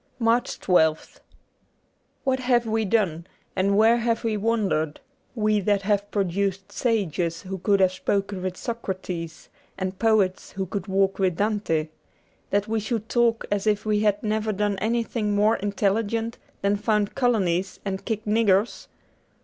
n MARCH 1 2th WHAT have we done, and where have we wandered, we that have produced sages who could have spoken with Socrates and poets who could walk with Dante, that we should talk as if we had never done anything more intelligent than found colonies and kick niggers